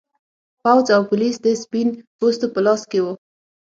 پوځ او پولیس د سپین پوستو په لاس کې و.